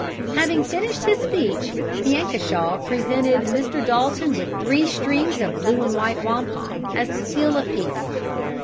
Having finished his speech, Piankashaw presented Mr. Dalton with three strings of blue and white wampum as the seal of peace.